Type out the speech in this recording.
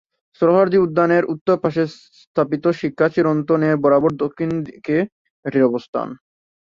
সোহরাওয়ার্দী উদ্যানের উত্তর পাশে স্থাপিত শিখা চিরন্তন-এর বরাবর দক্ষিণ দিকে এটির অবস্থান।